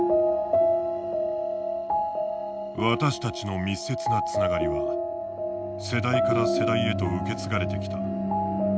私たちの密接なつながりは世代から世代へと受け継がれてきた。